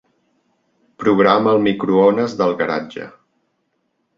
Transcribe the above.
Programa el microones del garatge.